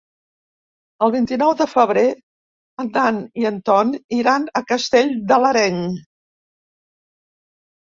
El vint-i-nou de febrer en Dan i en Ton iran a Castell de l'Areny.